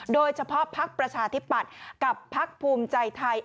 โดยเฉพาะพักประชาธิปัดกับพักภูมิใจไทย